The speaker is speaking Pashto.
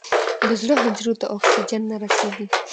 د زړه حجرو ته اکسیجن نه رسېږي.